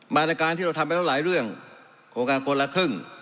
มาตรการที่เราทำไปแล้วหลายเรื่องโครงการคนละครึ่ง